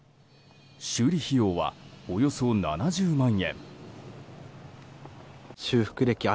修理費用はおよそ７０万円。